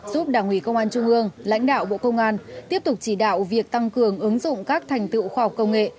giúp đảng ủy công an trung ương lãnh đạo bộ công an tiếp tục chỉ đạo việc tăng cường ứng dụng các thành tựu khoa học công nghệ